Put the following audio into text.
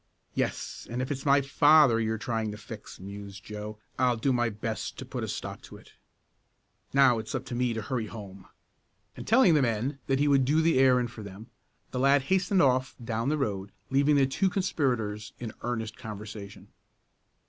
"Yes, and if it's my father you're trying to 'fix,'" mused Joe, "I'll do my best to put a stop to it. Now, it's up to me to hurry home," and telling the men that he would do the errand for them, the lad hastened off down the road, leaving the two conspirators in earnest conversation.